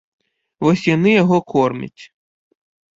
Вось яны яго кормяць.